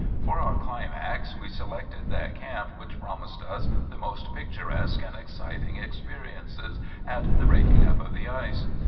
"For our climax we selected that camp which promised us the most picturesque and exciting experiences at the breaking up of the ice.